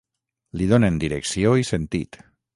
Li donen direcció i sentit.